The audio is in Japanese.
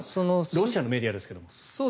ロシアのメディアですけど。